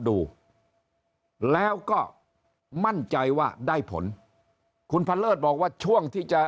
ดูแล้วก็มั่นใจว่าได้ผลคุณพันเลิศบอกว่าช่วงที่จะ